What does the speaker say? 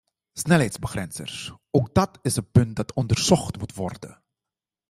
Snelheidsbegrenzers, ook dat is een punt dat onderzocht moet worden.